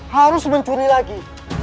harus mencuri lagi